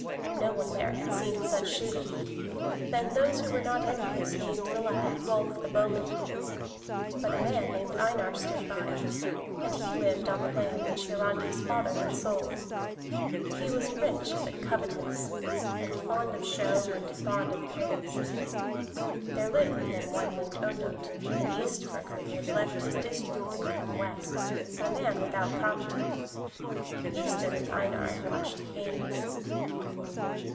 No one there had seen such shooting. Then those who were not envious named the lad Rolf the Bowman. But a man named Einar stood by, and he lived on the land which Hiarandi's father had sold. He was rich but covetous, and fond of show, and fond of praise. There lived with him one named Ondott, an Eastfirther who had left his district and come west, a man without property. He stood with Einar and watched the games.